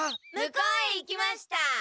向こうへ行きました。